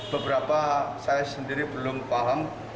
beberapa saya sendiri belum paham